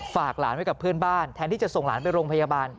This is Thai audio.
ฝากหลานไว้กับเพื่อนบ้านแทนที่จะส่งหลานไปโรงพยาบาล